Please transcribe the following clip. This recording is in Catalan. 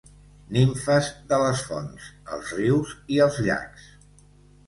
Nimfes de les fonts, els rius i els llacs.